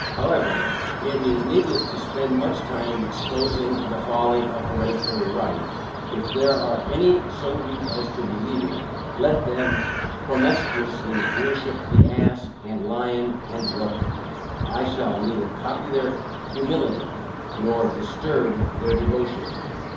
However, it is needless to spend much time in exposing the folly of hereditary right, if there are any so weak as to believe it, let them promiscuously worship the ass and lion, and welcome. I shall neither copy their humility, nor disturb their devotion.